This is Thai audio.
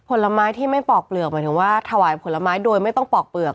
ผลไม้ที่ไม่ปอกเปลือกหมายถึงว่าถวายผลไม้โดยไม่ต้องปอกเปลือก